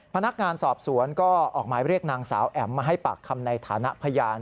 พนักงานสอบสวนก็ออกหมายเรียกนางสาวแอ๋มมาให้ปากคำในฐานะพยาน